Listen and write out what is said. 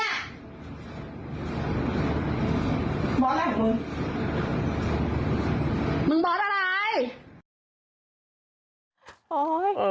บอสอะไรของมึงมึงบอสอะไร